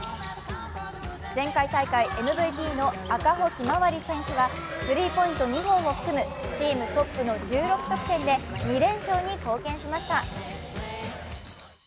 前回大会ＭＶＰの赤穂ひまわり選手はスリーポイント２本を含むチームトップの１６点で２連勝に貢献しました。